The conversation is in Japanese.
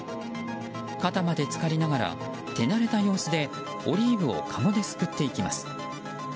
肩まで浸かりながら手慣れた様子でオリーブをかごですくっていきます。